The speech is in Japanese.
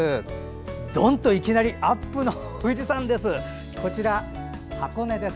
どんと、いきなりアップの富士山です！